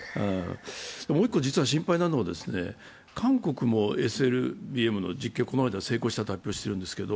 もう１個実は心配なのは韓国もＳＬＢＭの実験をこの間、成功したりするんですけど